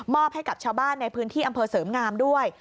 ให้กับชาวบ้านในพื้นที่อำเภอเสริมงามด้วย